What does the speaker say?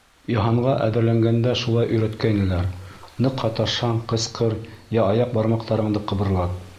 Йыһанға әҙерләгәндә шулай өйрәткәйнеләр, ныҡ һаташһаң, ҡысҡыр йә аяҡ бармаҡтарыңды ҡыбырлат.